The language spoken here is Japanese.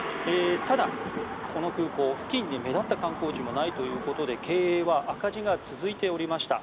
ただ、この空港付近に目立った観光地もないということで経営は赤字が続いておりました。